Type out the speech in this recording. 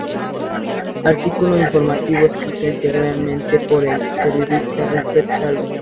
Artículo informativo escrito íntegramente por el periodista Alfred Salud.